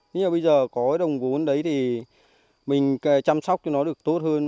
nhưng mà bây giờ có cái đồng vốn đấy thì mình chăm sóc cho nó được tốt hơn